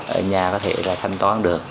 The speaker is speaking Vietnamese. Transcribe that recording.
ở nhà có thể là thanh toán được